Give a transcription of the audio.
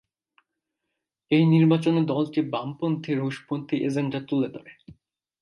এই নির্বাচনে দলটি বামপন্থী রুশপন্থী এজেন্ডা তুলে ধরে।